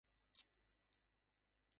তারা সীমান্তে নজরদারি চালিয়ে যাচ্ছে।